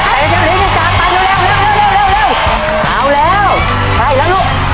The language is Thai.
ไก่กระเทียมเหลืออีก๓ลูก